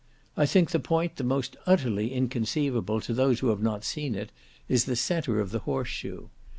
I think the point the most utterly inconceivable to those who have not seen it, is the centre of the horse shoe.